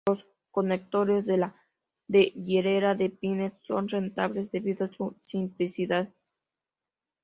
Los conectores de hilera de pines son rentables debido a su simplicidad.